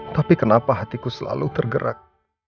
tapi kenapa hatiku selalu tergerak